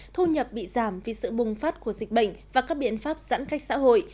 thu nhập bị giảm vì sự bùng phát của dịch bệnh và các biện pháp giãn cách xã hội